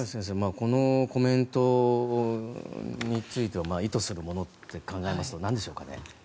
このコメントについては意図するものって考えますとなんでしょうかね。